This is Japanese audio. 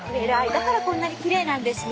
だからこんなにきれいなんですね。